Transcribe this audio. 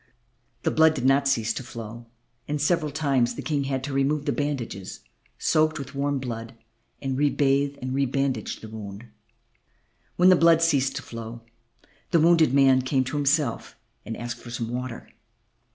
The blood did not cease to flow, and several times the King had to remove the bandages, soaked with warm blood, and rebathe and rebandage the wound. When the blood ceased to flow, the wounded man came to himself and asked for some water.